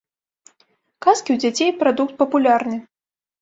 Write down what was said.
Казкі ў дзяцей прадукт папулярны.